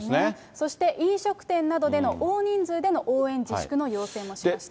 そして飲食店などでの大人数での応援自粛の要請もしました。